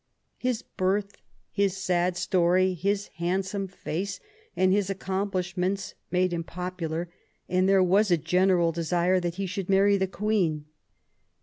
His birth, his sad story, his handsome face, and his accomplishments made him popular; and there was a general desire that he should marry the Queen.